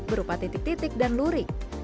berupa titik titik dan lurik